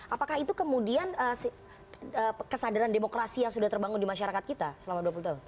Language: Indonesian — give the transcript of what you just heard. apakah itu kemudian kesadaran demokrasi yang sudah terbangun di masyarakat kita selama dua puluh tahun